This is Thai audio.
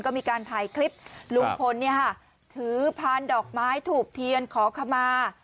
ก็มีการถ่ายคลิปลุงพลถือพานดอกไม้ถูกเทียนขอขมา